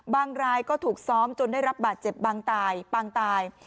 บางรายก็ถูกซ้อมจนได้รับบาดเจ็บบางตาย